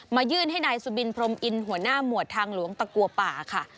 ยื่นให้นายสุบินพรมอินหัวหน้าหมวดทางหลวงตะกัวป่าค่ะ